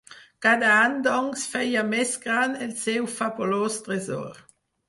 Cada any, doncs, feia més gran el seu fabulós tresor.